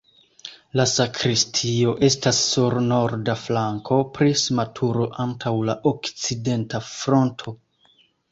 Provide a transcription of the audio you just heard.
La sakristio estas sur norda flanko, prisma turo antaŭ la okcidenta fronto.